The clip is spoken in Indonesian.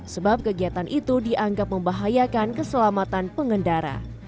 sebab kegiatan itu dianggap membahayakan keselamatan pengendara